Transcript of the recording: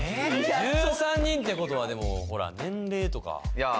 １３人ってことはでもほらいや